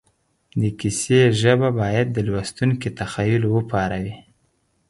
د کیسې ژبه باید د لوستونکي تخیل وپاروي